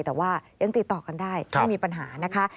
แต่ว่ายังติดต่อกันได้ไม่มีปัญหานะคะ